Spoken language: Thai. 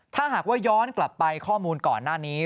ถ้าหากว่าย้อนกลับไปข้อมูลก่อนหน้านี้